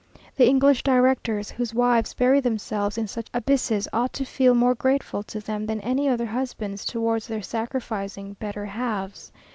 The English directors, whose wives bury themselves in such abysses, ought to feel more grateful to them than any other husbands towards their sacrificing better halves.